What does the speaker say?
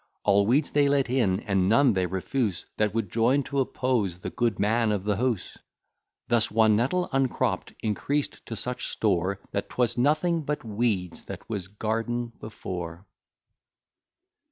All weeds they let in, and none they refuse That would join to oppose the good man of the house. Thus one nettle uncropp'd, increased to such store, That 'twas nothing but weeds what was garden before.